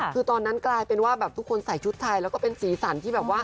คือตอนนั้นกลายเป็นว่าแบบทุกคนใส่ชุดไทยแล้วก็เป็นสีสันที่แบบว่า